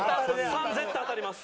３絶対当たります。